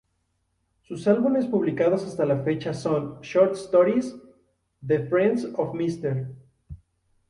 Sus álbumes publicados hasta la fecha son "Short Stories", "The Friends of Mr.